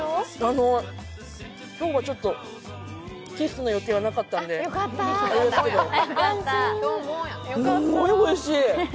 今日もキスの予定はなかったんですんごいおいしい。